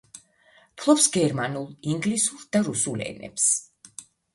ფლობს გერმანულ, ინგლისურ და რუსულ ენებს.